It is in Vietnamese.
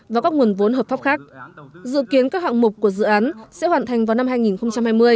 và các nguồn vốn hợp pháp khác dự kiến các hạng mục của dự án sẽ hoàn thành vào năm hai nghìn hai mươi